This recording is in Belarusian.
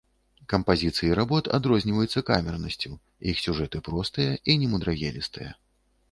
Кампазіцыі работ адрозніваюцца камернасцю, іх сюжэты простыя і немудрагелістыя.